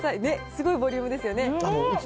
すごいボリュームですよね。